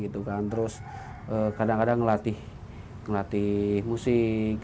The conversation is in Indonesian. terus kadang kadang ngelatih musik